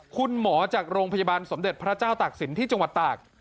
คุณหมอจากโรงพยาบาลสมเด็จพระเจ้าตากศิลป์ที่จังหวัดตาก